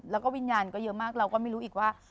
แล้วก็วิญญาณก็เยอะมากเราก็ไม่รู้อีกว่า